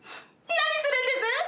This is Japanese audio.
「何するんです！？」。